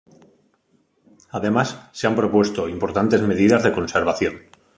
Además, se han propuesto importantes medidas de conservación.